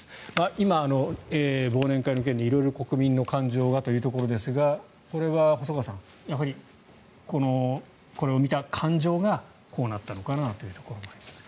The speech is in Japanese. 今、忘年会の件で色々国民の感情がというところですがこれは細川さんこれを見た感情がこうなったのかなというところですが。